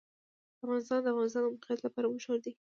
افغانستان د د افغانستان د موقعیت لپاره مشهور دی.